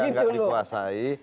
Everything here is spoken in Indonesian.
yang gak dikuasai